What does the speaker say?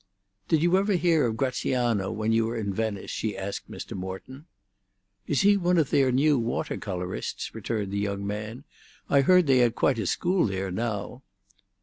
"Did you ever hear of Gratiano when you were in Venice?" she asked Mr. Morton. "Is he one of their new water colourists?" returned the young man. "I heard they had quite a school there now."